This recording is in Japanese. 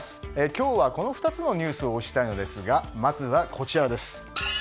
今日はこの２つのニュースを推したいですがまずはこちらです。